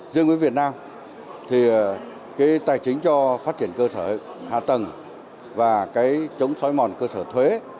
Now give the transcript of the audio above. riêng với việt nam thì cái tài chính cho phát triển cơ sở hạ tầng và cái chống xói mòn cơ sở thuế